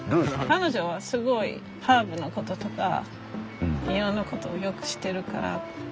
彼女はすごいハーブのこととか庭のことよく知ってるから。